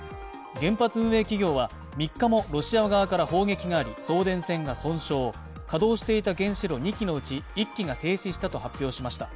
原発運営企業は３日もロシア側から砲撃があり、送電線が損傷、稼働していた原子炉２基のうち、１基が停止したと発表しました。